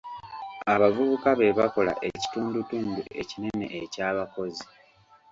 Abavubuka be bakola ekitundutundu ekinene eky'abakozi.